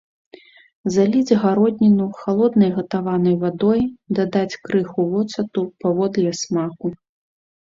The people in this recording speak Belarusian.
Заліць гародніну халоднай гатаванай вадой, дадаць крыху воцату паводле смаку.